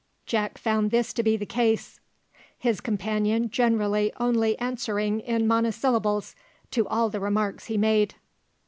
Jack found this to be the case, his companion generally only answering in monosyllables to all the remarks he made.